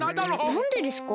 なんでですか？